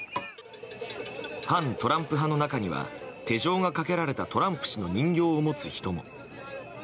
反トランプ派の中には手錠がかけられたトランプ氏の人形を持つ人も。